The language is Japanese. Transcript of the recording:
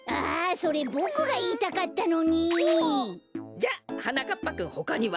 じゃあはなかっぱくんほかには？